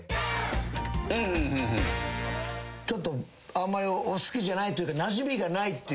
あんまりお好きじゃないというかなじみがないっていうこと。